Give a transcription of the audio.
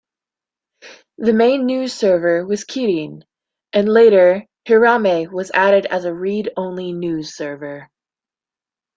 The main newsserver was kirin, and later hirame was added as a read-only newsserver.